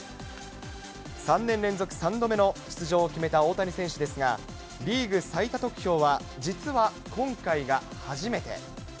３年連続３度目の出場を決めた大谷選手ですが、リーグ最多得票は、実は今回が初めて。